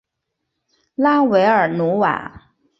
拉韦尔努瓦。